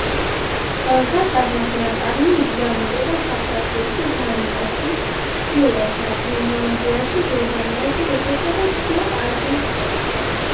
საწარმოს ნაწარმი იგზავნებოდა საფრანგეთში, დანიაში, ჩრდილოეთ ირლანდიაში, გერმანიაში, რუსეთსა და შუა აზიის ქვეყნებში.